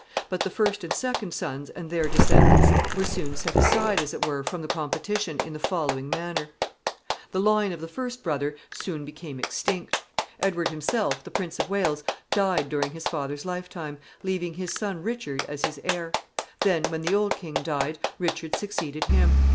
But the first and second sons and their descendants were soon set aside, as it were, from the competition, in the following manner. [Sidenote: Ambition of Richard's uncles.] [Sidenote: Richard's character.] The line of the first brother soon became extinct. Edward himself, the Prince of Wales, died during his father's lifetime, leaving his son Richard as his heir. Then, when the old king died, Richard succeeded him.